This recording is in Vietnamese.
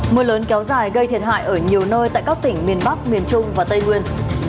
mưa lớn kéo dài gây thiệt hại ở nhiều nơi tại các tỉnh miền bắc miền trung và tây nguyên